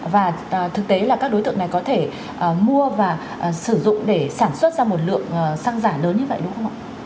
và thực tế là các đối tượng này có thể mua và sử dụng để sản xuất ra một lượng xăng giả lớn như vậy đúng không ạ